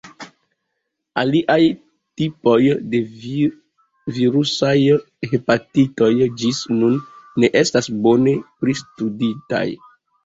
Aliaj tipoj de virusaj hepatitoj ĝis nun ne estas bone pristuditaj.